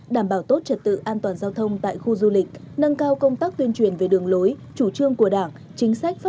đảm bảo tốt trật tự an toàn giao thông tại khu du lịch nâng cao công tác tuyên truyền về đường lối